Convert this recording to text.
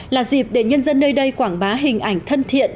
là dịp để nhân dân nơi đây quảng bá hình ảnh thân thiện